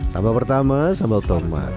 sambal pertama sambal tomat